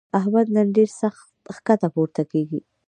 احمد نن ډېر ښکته پورته کېږي.